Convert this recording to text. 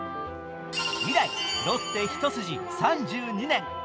以来、ロッテ一筋３２年。